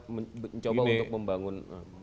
mencoba untuk membangun